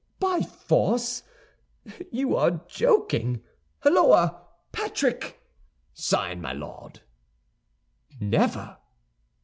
"By force? You are joking! Holloa, Patrick!" "Sign, my Lord!" "Never."